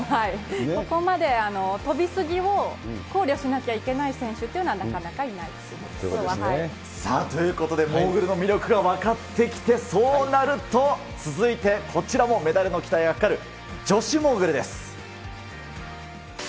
ここまで飛び過ぎを考慮しなきゃいけない選手っていうのは、さあ、ということでモーグルの魅力が分かってきて、そうなると、続いてこちらもメダルの期待がかかる女子モーグルです。